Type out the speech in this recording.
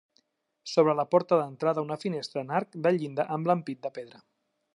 Sobre la porta d'entrada, una finestra en arc de llinda amb l'ampit de pedra.